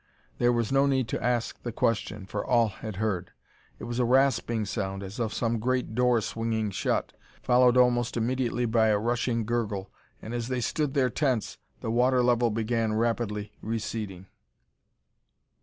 There was no need to ask the question, for all had heard. It was a rasping sound, as of some great door swinging shut, followed almost immediately by a rushing gurgle and as they stood there tense, the water level began rapidly receding.